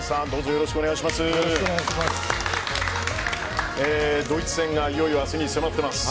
よろしくお願いします。